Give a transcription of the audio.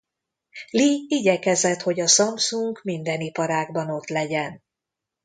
Lee igyekezett hogy a Samsung minden iparágban ott legyen.